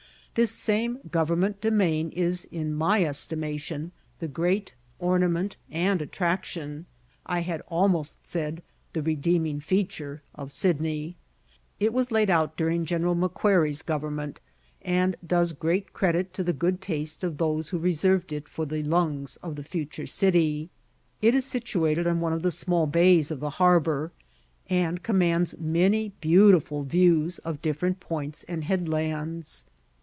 This same Government Domain is in my estimation the great ornament and attraction, I had almost said the redeeming feature, of Sydney. It was laid out during General Macquarie's government, and does great credit to the good taste of those who reserved it for the lungs of the future city. It is situated on one of the small bays of the harbour, and commands many beautiful views of different points and headlands.